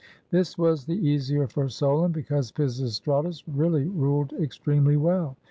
This was the easier for Solon because Pisistratus really ruled ex tremely well.